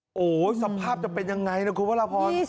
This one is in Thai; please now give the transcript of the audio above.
โอ้โหสภาพจะเป็นยังไงนะคุณพระราพร